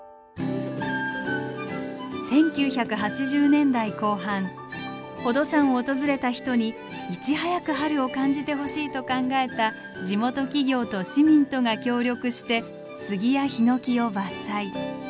１９８０年代後半宝登山を訪れた人にいち早く春を感じてほしいと考えた地元企業と市民とが協力してスギやヒノキを伐採。